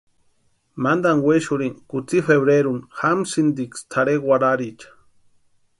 Mantani wexurhini kutsï febreruni jamsïntiksï tʼarhe warharicha.